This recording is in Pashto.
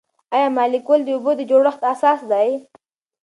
آیا مالیکول د اوبو د جوړښت اساس دی؟